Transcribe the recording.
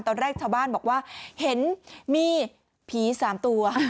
ตอนแรกชาวบ้านบอกว่าเห็นมีผี๓ตัว